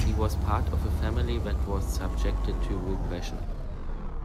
He was part of a family that was subjected to repression.